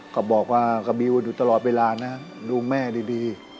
ก็บอกว่ากับบิวอยู่ตลอดเวลานะดูแม่ดี